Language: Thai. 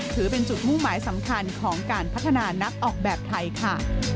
ถือเป็นจุดมุ่งหมายสำคัญของการพัฒนานักออกแบบไทยค่ะ